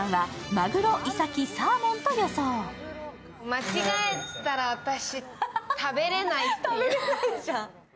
間違えたら、私、食べれないっていう。